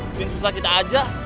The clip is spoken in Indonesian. bikin susah kita aja